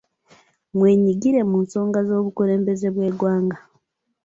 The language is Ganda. Mwenyigire mu nsonga z’obukulembeze bw’eggwanga.